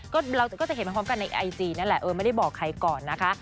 ก็เราก็จะเห็นพร้อมกันในไอจีนั่นแหละเออไม่ได้บอกใครก่อนนะคะ